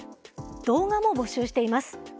動画も募集しています。